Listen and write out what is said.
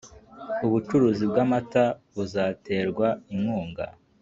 ubucuruzi bw'amata buzaterwa inkunga,